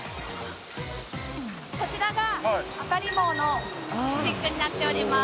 こちらが当り棒のスティックになっております。